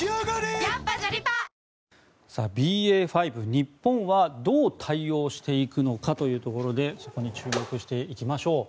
ＢＡ．５日本はどう対応していくのかというところでそこに注目していきましょう。